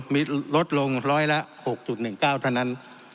มีลดลงร้อยละ๖๑๙เท่านั้น